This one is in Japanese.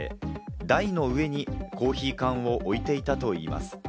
台の上にコーヒー缶を置いていたということです。